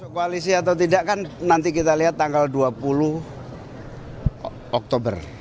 koalisi atau tidak kan nanti kita lihat tanggal dua puluh oktober